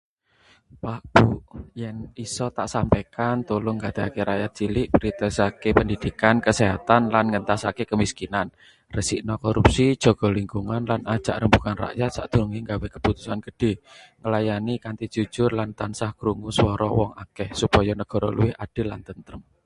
Pak, Bu, yen isa tak sampaikan: tulung nggatekake rakyat cilik—prioritase pendidikan, kesehatan, lan ngentasake kemiskinan. Resikna korupsi, jaga lingkungan, lan ajak rembugan rakyat sadurunge nggawe keputusan gedhe. Nglayani kanthi jujur lan tansah krungu swara wong akeh, supaya nagara luwih adil lan tentrem.